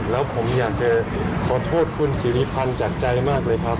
แล้วผมอยากจะขอโทษคุณสิริพันธ์จากใจมากเลยครับ